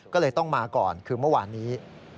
ก็เลยต้องมาก่อนคือเมื่อวานนี้